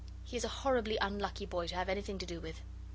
He is a horribly unlucky boy to have anything to do with.